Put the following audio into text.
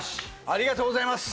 ありがとうございます！